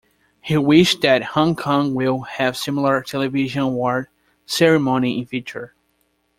He wished that Hong Kong will have similar television award ceremony in future.